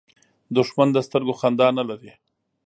دښمن د سترګو خندا نه لري